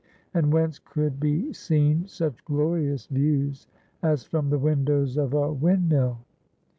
And whence could be seen such glorious views as from the windows of a windmill?